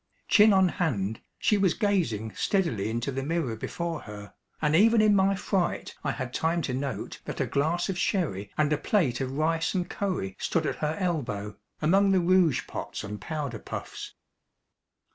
Chin on hand, she was gazing steadily into the mirror before her, and even in my fright I had time to note that a glass of sherry and a plate of rice and curry stood at her elbow, among the rouge pots and powder puffs.